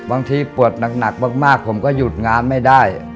บางทีปวดหนักมากผมก็หยุดงานไม่ได้